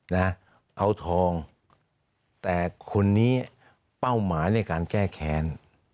นะเอาทองแต่คนนี้เป้าหมายในการแก้แค้น